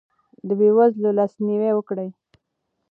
د بې وزلو لاسنیوی وکړئ.